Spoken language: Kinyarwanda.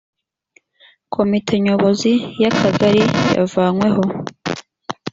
komite nyobozi y’akagari yavanyweho